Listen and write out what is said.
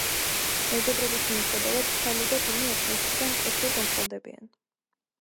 მეგობრობის მიუხედავად, სალი და დინი ერთმანეთისგან მკვეთრად განსხვავდებიან.